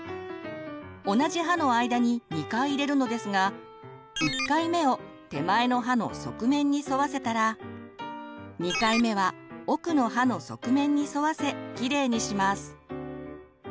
同じ歯の間に２回入れるのですが１回目を手前の歯の側面に沿わせたら２回目は奥の歯の側面に沿わせきれいにします。